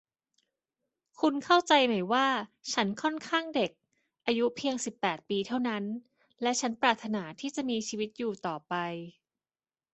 คุณเข้าใจไหมว่าฉันค่อนข้างเด็ก อายุเพียงสิบแปดปีเท่านั้น และฉันปรารถนาที่จะมีชีวิตอยู่ต่อไป